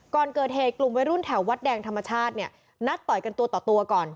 ก่อนเกิดเหตุกลุ่มวัยรุ่นแถววัดแดงธรรมชาติเนี่ยนัดต่อยกันตัวต่อตัวก่อน